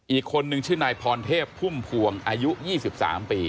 อีกคนนึงชื่อนายพรเทพพุ่มพวงอายุ๒๓ปี